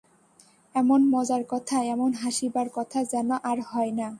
এমন মজার কথা, এমন হাসিবার কথা যেন আর হয় না।